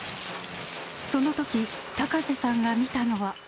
そのとき、高瀬さんが見たのは。